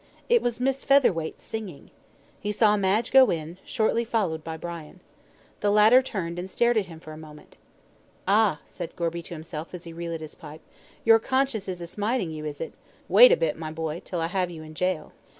It was Miss Featherweight singing. He saw Madge go in, shortly followed by Brian. The latter turned and stared at him for a moment. "Ah," said Gorby to himself as he re lit his pipe; "your conscience is a smiting you, is it? Wait a bit, my boy, till I have you in gaol."